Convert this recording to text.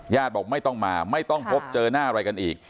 บอกไม่ต้องมาไม่ต้องพบเจอหน้าอะไรกันอีก